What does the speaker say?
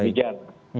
saya ke pak sarbini